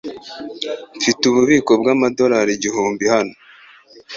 Mfite ububiko bwamadorari igihumbi hano.